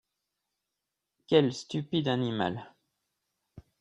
Quel stupide animal !